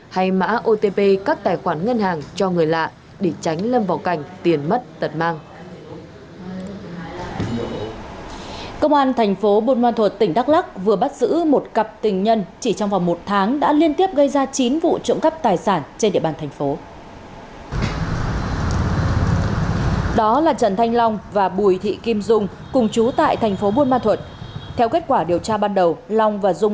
hay mã otp các tài khoản ngân hàng cho người lạ để tránh lâm vào các tài khoản